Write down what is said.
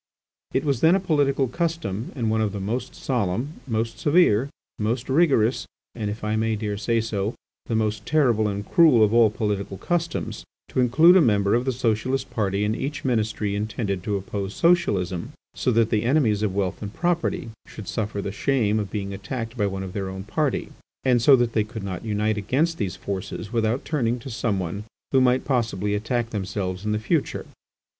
It was then a political custom and one of the most solemn, most severe, most rigorous, and if I may dare say so, the most terrible and cruel of all political customs, to include a member of the Socialist party in each ministry intended to oppose Socialism, so that the enemies of wealth and property should suffer the shame of being attacked by one of their own party, and so that they could not unite against these forces without turning to some one who might possibly attack themselves in the future.